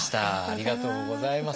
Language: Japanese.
ありがとうございます。